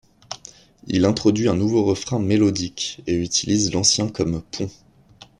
Il introduit un nouveau refrain mélodique et utilise l'ancien comme pont.